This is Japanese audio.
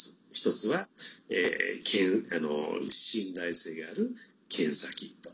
１つは信頼性がある検査キット。